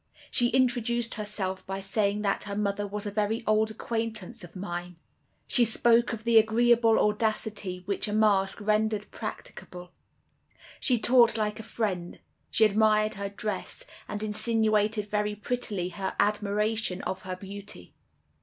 "She introduced herself by saying that her mother was a very old acquaintance of mine. She spoke of the agreeable audacity which a mask rendered practicable; she talked like a friend; she admired her dress, and insinuated very prettily her admiration of her beauty.